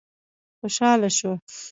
خوشاله شو.